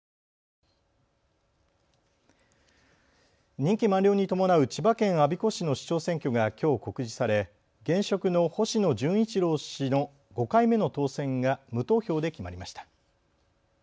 任期満了に伴う千葉県我孫子市の市長選挙がきょう告示され現職の星野順一郎氏の５回目の当選が無投票で決まりました。